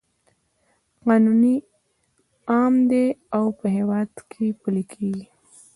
قانون عام دی او په هیواد پلی کیږي.